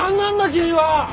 君は！